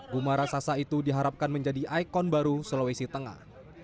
guma raksasa itu diharapkan menjadi ikon baru sulawesi tengah